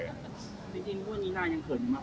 จริงว่านี่นายยังเขินหรือเปล่า